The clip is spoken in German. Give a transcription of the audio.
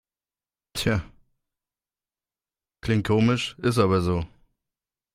Klingt komisch, ist aber so.